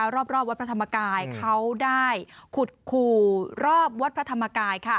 รอบวัดพระธรรมกายเขาได้ขุดขู่รอบวัดพระธรรมกาย